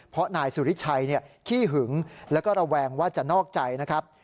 เพราะนายสุริชัยขี้หึงแล้วก็ระแวงว่าจะนอกใจนะครับ